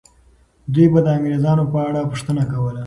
دوی به د انګریزانو په اړه پوښتنه کوله.